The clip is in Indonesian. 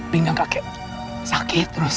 pinggang kakek sakit terus